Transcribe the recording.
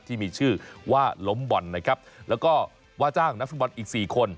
ที่มีชื่อว่าล้มบ่อนนะครับแล้วก็ว่าจ้างนักฟุตบอลอีกสี่คน